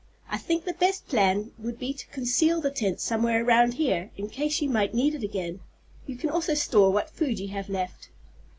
"I think the best plan would be to conceal the tent somewhere around here, in case you might need it again. You can also store what food you have left."